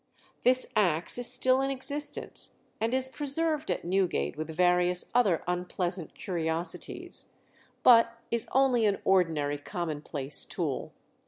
This axe is still in existence, and is preserved at Newgate with various other unpleasant curiosities, but is only an ordinary commonplace tool.